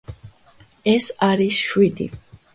ეს არის შვიდი.